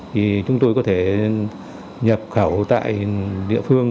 thì chúng tôi có thể nhập khẩu tại địa phương